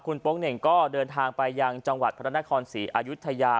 คุณโป๊งเหน่งก็เดินทางไปยังจังหวัดพระนครศรีอายุทยา